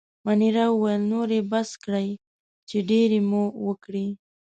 مانیرا وویل: نور يې بس کړئ، چې ډېرې مو وکړې.